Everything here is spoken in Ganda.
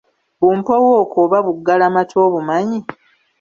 Bumpowooko oba buggalamatu obumanyi?